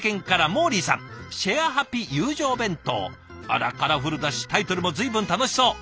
続いてあらカラフルだしタイトルも随分楽しそう。